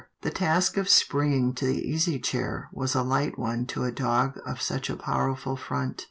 The task of springing to the easy chair was a light one to a dog of such a powerful front.